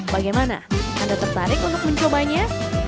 bagaimana anda tertarik untuk mencobanya